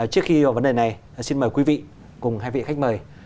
trước khi vào vấn đề này xin mời quý vị cùng hai vị khách mời